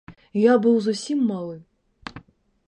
Я быў зусім малы.